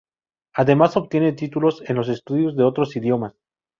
Además obtiene títulos en los estudios de otros idiomas.